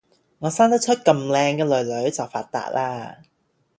我生得出咁靚嘅囡囡就發達啦！